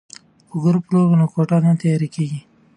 که ګروپ روغ وي نو کوټه نه تیاره کیږي.